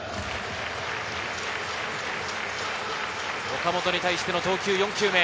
岡本に対しての投球、４球目。